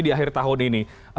di akhir tahun ini